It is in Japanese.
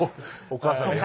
お母さんが。